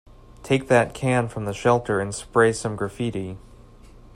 Take that can from the shelter and spray some graffiti.